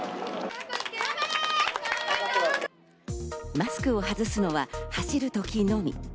マスクを外すのは走る時のみ。